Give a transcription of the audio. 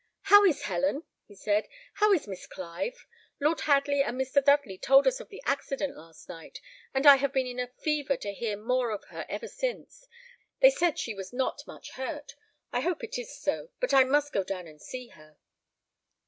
"How is Helen?" he said "how is Miss Clive? Lord Hadley and Mr. Dudley told us of the accident last night, and I have been in a fever to hear more of her ever since. They said she was not much hurt; I hope it is so, but I must go down and see her."